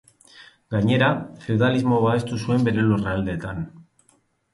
Gainera feudalismo babestu zuen bere lurraldeetan.